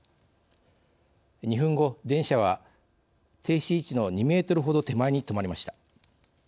２分後電車は停止位置の２メートルほど手前に止まりました。